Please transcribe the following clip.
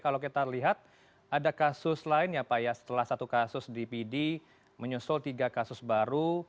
kalau kita lihat ada kasus lain ya pak ya setelah satu kasus di pd menyusul tiga kasus baru